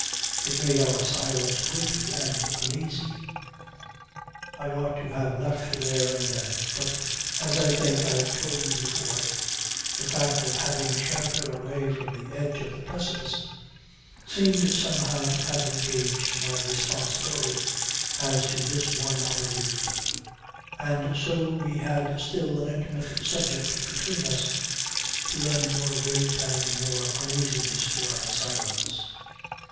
It made our silence weighty and uneasy. I ought to have left her there and then; but, as I think I've told you before, the fact of having shouted her away from the edge of a precipice seemed somehow to have engaged my responsibility as to this other leap. And so we had still an intimate subject between us to lend more weight and more uneasiness to our silence.